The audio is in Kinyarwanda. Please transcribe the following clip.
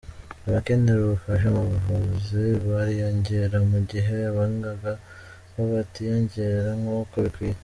Abakenera ubufasha mu buvuzi bariyongera mu gihe abanganga bo batiyongera nk’uko bikwiye.